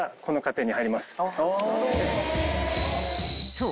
［そう。